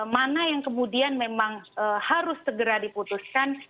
mana yang kemudian memang harus segera diputuskan